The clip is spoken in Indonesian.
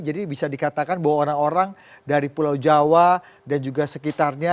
jadi bisa dikatakan bahwa orang orang dari pulau jawa dan juga sekitarnya